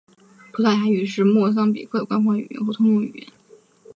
葡萄牙语是莫桑比克的官方语言和通用语言。